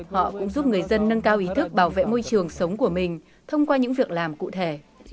họ cũng giúp người dân nâng cao ý thức bảo vệ môi trường sống của mình thông qua những việc làm cụ thể